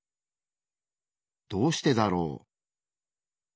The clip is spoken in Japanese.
どうしてだろう？